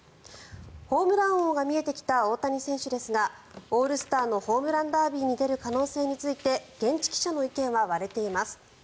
ホームラン王が見えてきた大谷選手ですがオールスターのホームランダービーに出る可能性について現地記者の意見は割れています。